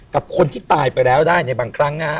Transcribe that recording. กับคนที่ตายไปแล้วได้ในบางครั้งนะฮะ